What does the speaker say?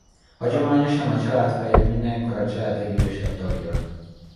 Hagyományosan a család feje mindenkor a család legidősebb tagja.